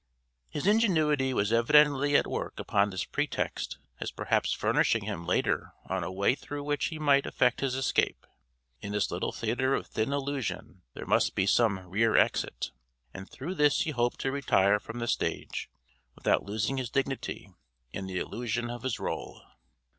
His ingenuity was evidently at work upon this pretext as perhaps furnishing him later on a way through which he might effect his escape: in this little theatre of thin illusion there must be some rear exit; and through this he hoped to retire from the stage without losing his dignity and the illusion of his rôle.